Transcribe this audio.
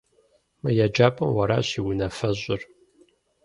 Мы еджапӀэм уэращ и унафэщӀыр.